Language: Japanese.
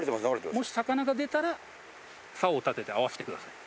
もし魚が出たら竿を立てて合わせてください。